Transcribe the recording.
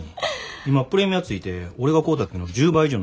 今プレミアついて俺が買うた時の１０倍以上の値段すんで。